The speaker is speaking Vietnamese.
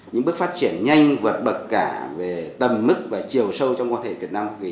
những bước phát triển nhanh vượt bậc cả về tầm mức và chiều sâu trong quan hệ việt nam